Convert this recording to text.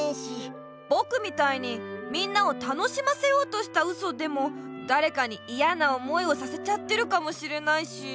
ぼくみたいにみんなを楽しませようとしたウソでもだれかにいやな思いをさせちゃってるかもしれないし。